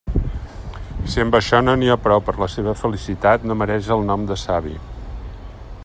Si amb això no n'hi ha prou per a la seua felicitat, no mereix el nom de savi.